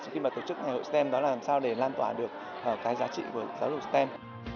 khi mà tổ chức ngày hội stem đó là làm sao để lan tỏa được cái giá trị của giáo dục stem